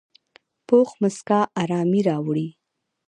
پوخ مسکا آرامي راوړي